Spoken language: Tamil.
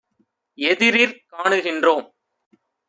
எதிரிற் காணுகின்றோம்